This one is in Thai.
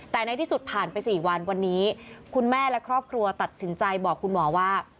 แต่ในที่สุดผ่านไป๔วันวันนี้คุณแม่และครอบครัวตัดสินใจบอกคุณหมอว่า